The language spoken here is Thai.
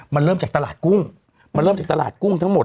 มันเริ่มจากตลาดกุ้ง